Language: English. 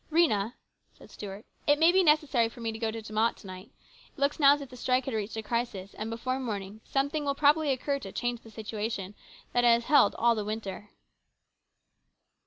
" Rhena," said Stuart, " it may be necessary for me to go to De Mott to night. It looks now as if the strike had reached a crisis, and before morning something will probably occur to change the situation that has held all the winter."